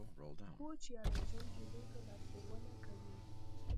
کوچ یا روزونکی دوی ته لارښوونه کوي.